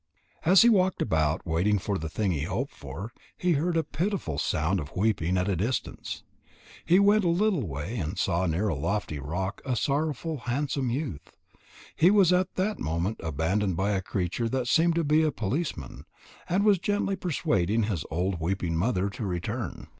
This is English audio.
As he walked about waiting for the thing he hoped for, he heard a pitiful sound of weeping at a distance. He went a little way and saw near a lofty rock a sorrowful, handsome youth. He was at that moment abandoned by a creature that seemed to be a policeman, and was gently persuading his old, weeping mother to return.